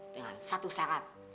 dengan satu syarat